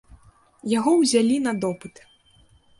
Яго ўзялі на допыт.